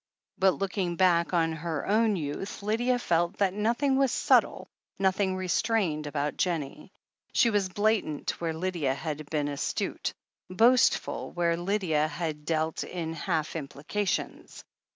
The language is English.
But, lool'Ing back upon her own youth, Lydia felt that notliing was subtle, nothing restrained, about Jennie. She was blatant where Lydia had been astute, boastful where Lydia had dealt in half implications.